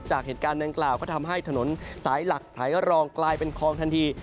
จากเหตุการณ์ดังกล่าวก็ทำให้ถนนสายหลักสายรองกลายเป็นคลองทันที